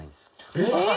えっ！